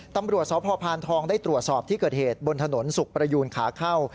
ตำรวจสพพานทองได้ตรวจสอบที่เกิดเหตุบนถนนสุขประยูนขาเข้า